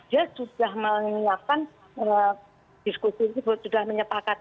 dia sudah menyiapkan diskusi itu sudah menyepakat